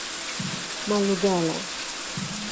Malugala